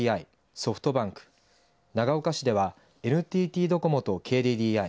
ソフトバンク長岡市ではＮＴＴドコモとＫＤＤＩ